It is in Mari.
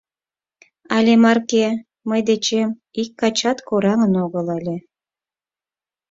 Але марке мый дечем ик качат кораҥын огыл ыле.